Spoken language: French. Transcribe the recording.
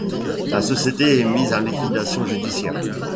La société est mise en liquidation judiciaire.